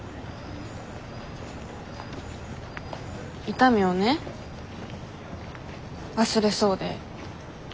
痛みをね忘れそうで。